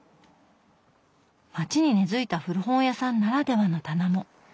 街に根づいた古本屋さんならではの棚も。